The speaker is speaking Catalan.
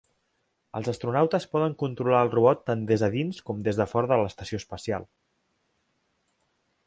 Els astronautes poden controlar el robot tant des de dins com des de fora de l'estació espacial.